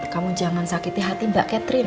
kamu jangan sakiti hati mbak catherine